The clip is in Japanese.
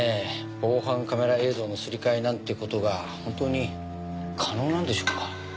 防犯カメラ映像のすり替えなんて事が本当に可能なんでしょうか？